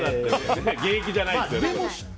現役じゃないですよ。